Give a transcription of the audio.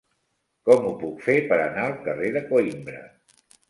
Com ho puc fer per anar al carrer de Coïmbra?